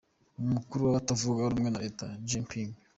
Umukuru w’abatavuga rumwe na leta Jean Ping